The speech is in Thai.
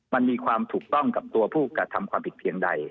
มันมีความถูกต้องกับตัวผู้กระทำความผิดเพียงใด